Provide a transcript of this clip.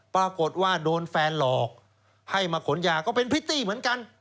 ปรากฏว่าโดนแฟนหลอกให้มาขนยาก็เป็นพริตตี้เหมือนกัน